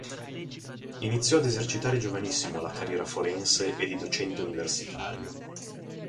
Iniziò ad esercitare giovanissimo la carriera forense e di docente universitario.